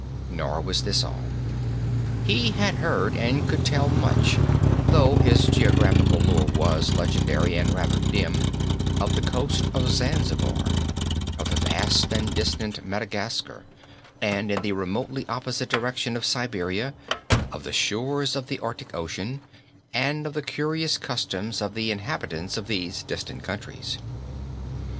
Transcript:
Nor was this all. He had heard and could tell much, though his geographical lore was legendary and rather dim, of the Coast of Zanzibar, of the vast and distant Madagascar, and in the remotely opposite direction of Siberia, of the shores of the Arctic Ocean, and of the curious customs of the inhabitants of these distant countries.